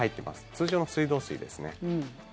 通常の水道水ですね。